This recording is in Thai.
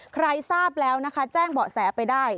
ใครทราบแล้วนะคะแจ้งเบาะแสไปได้